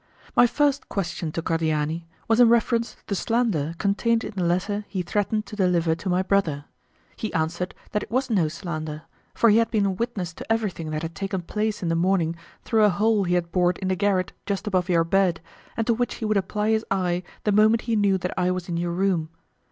My first question to Cordiani was in reference to the slander contained in the letter he threatened to deliver to my brother: he answered that it was no slander, for he had been a witness to everything that had taken place in the morning through a hole he had bored in the garret just above your bed, and to which he would apply his eye the moment he knew that I was in your room.